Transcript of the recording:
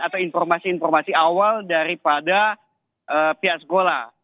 atau informasi informasi awal daripada pihak sekolah